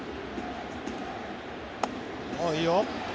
いいよ！